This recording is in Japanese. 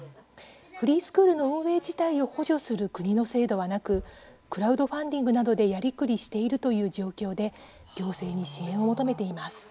フリースクールの運営自体を補助する国の制度はなくクラウドファンディングなどでやりくりしているという状況で行政に支援を求めています。